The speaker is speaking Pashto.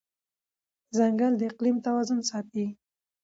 ځنګل د اقلیم توازن ساتي.